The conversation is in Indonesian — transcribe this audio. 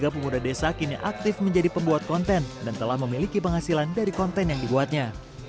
tiga pemuda desa kini aktif menjadi pembuat konten dan telah memiliki penghasilan dari konten yang dibuatnya